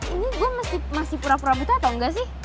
ini gue masih pura pura butuh atau enggak sih